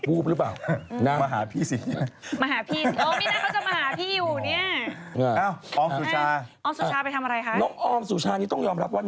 เพราะแม่ผมไม่ให้แต่งงาน